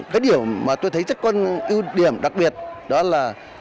cái điều mà tôi thấy rất có ưu điểm đặc biệt đó là